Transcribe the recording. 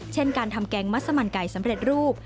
เช่นการทำแกงมัสมันไก่สำเร็จรูป